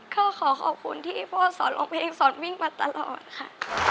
ก็ขอขอบคุณที่พ่อสอนร้องเพลงสอนวิ่งมาตลอดค่ะ